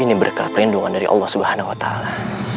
ini berkat perlindungan dari allah subhanahu wa ta'ala